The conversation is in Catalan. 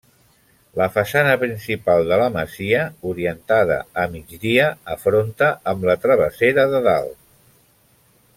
La façana principal de la masia, orientada a migdia, afronta amb la Travessera de Dalt.